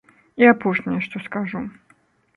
І апошняе, што скажу.